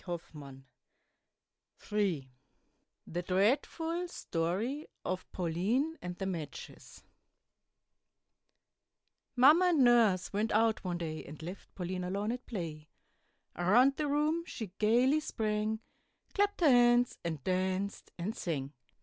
THE DREADFUL STORY OF PAULINE AND THE MATCHES Mamma and Nurse went out one day, And left Pauline alone at play; Around the room she gayly sprang, Clapp'd her hands, and danced, and sang.